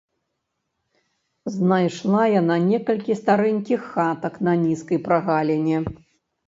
Знайшла яна некалькі старэнькіх хатак на нізкай прагаліне.